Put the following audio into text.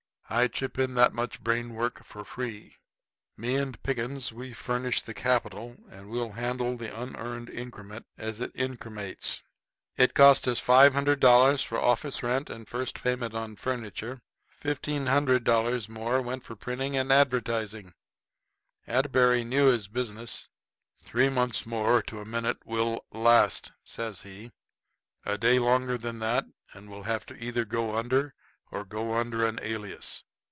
I chip in that much brain work free. Me and Pickens, we furnished the capital, and we'll handle the unearned increment as it incremates." It costs us $500 for office rent and first payment on furniture; $1,500 more went for printing and advertising. Atterbury knew his business. "Three months to a minute we'll last," says he. "A day longer than that and we'll have to either go under or go under an alias.